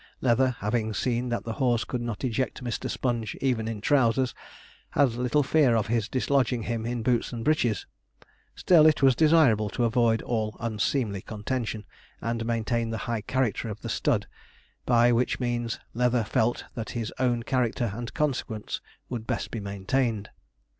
Leather having seen that the horse could not eject Mr. Sponge even in trousers, had little fear of his dislodging him in boots and breeches; still it was desirable to avoid all unseemly contention, and maintain the high character of the stud, by which means Leather felt that his own character and consequence would best be maintained.